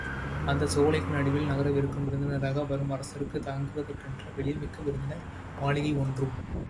அந்தச் சோலைக்கு நடுவில், நகருக்கு விருந்தினராக வரும் அரசர்கள் தங்குவதற்கென்றே எழில்மிக்க விருந்தினர் மாளிகை ஒன்றும் அமைக்கப்பட்டிருக்கிறது.